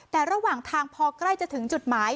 แต่ระหว่างทางพอใกล้จะถึงจุดหมาย